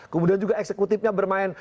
kemudian juga eksekutifnya bermain